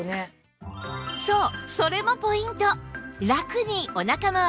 そうそれもポイント！